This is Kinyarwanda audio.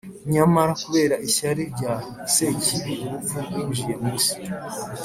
nyamara kubera ishyari rya Sekibi, urupfu rwinjiye mu isi,